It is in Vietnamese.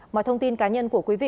mọi thông tin cá nhân của quý vị